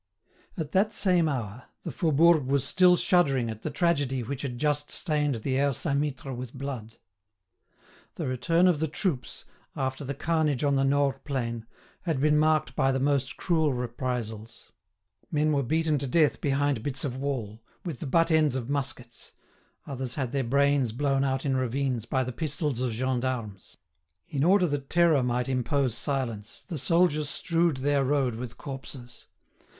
At that same hour, the Faubourg was still shuddering at the tragedy which had just stained the Aire Saint Mittre with blood. The return of the troops, after the carnage on the Nores plain, had been marked by the most cruel reprisals. Men were beaten to death behind bits of wall, with the butt ends of muskets, others had their brains blown out in ravines by the pistols of gendarmes. In order that terror might impose silence, the soldiers strewed their road with corpses.